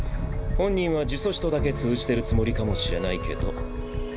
本人は呪詛師とだけ通じてるつもりかもしれないけど。